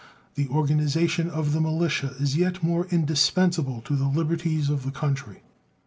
The organization of the militia is yet more indispensable to the liberties of the country.